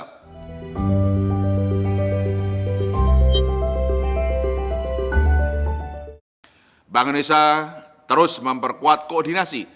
tror s memperkuat koordinasi penuh hmmm dan melakukan keuntungan parkiran terhadap teknologi korea dan masyaskar